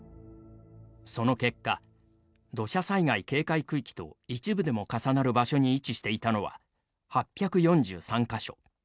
その結果、土砂災害警戒区域と一部でも重なる場所に位置していたのは、８４３か所。